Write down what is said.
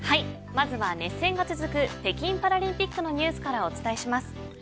まずは、熱戦が続く北京パラリンピックのニュースからお伝えします。